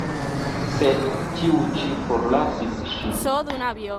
Sed tiu ĉi forlasis ŝin.